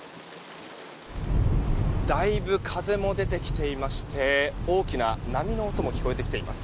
だいぶ風も出てきていまして大きな波の音も聞こえてきています。